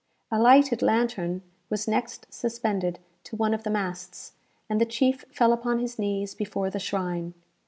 A lighted lantern was next suspended to one of the masts, and the chief fell upon his knees before the shrine.